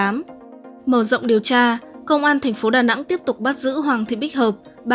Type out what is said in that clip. mở rộng điều tra công an thành phố đà nẵng tiếp tục bắt giữ hoàng thị bích hợp